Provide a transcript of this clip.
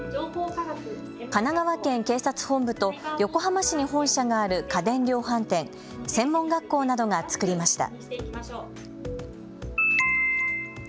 神奈川県警察本部と横浜市に本社がある家電量販店、専門学校などが作りました。